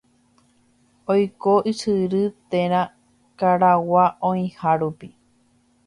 Oiko ysyry térã karugua oĩha rupi.